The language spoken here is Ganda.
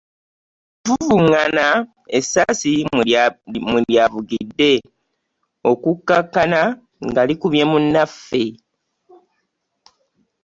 Mu kuvuvungana esassi mwe lyavugidde okukakana nga likubye munaffe.